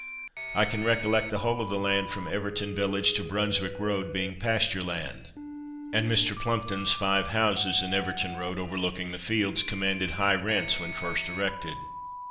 I can recollect the whole of the land from Everton Village to Brunswick Road being pasture land, and Mr. Plumpton's five houses in Everton Road, overlooking the fields, commanded high rents when first erected.